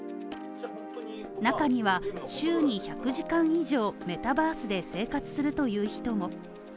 中には週に１００時間以上、メタバースで生活するという人も。